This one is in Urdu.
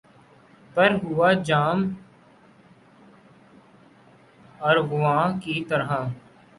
پر ہوا جام ارغواں کی طرح